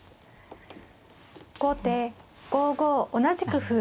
後手５五同じく歩。